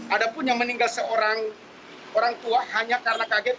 ada pun yang meninggal seorang orang tua hanya karena kaget